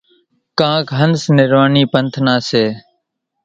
ڪانڪ هنس نِرواڻِي پنٿ نا سي۔